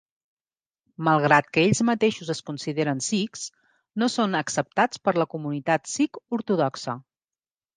Malgrat que ells mateixos es consideren sikhs, no són acceptats per la comunitat sikh ortodoxa.